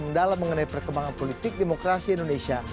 mendalam mengenai perkembangan politik demokrasi indonesia